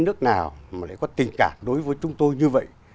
chưa có những nước nào mà có tình cảm đối với chúng tôi như vậy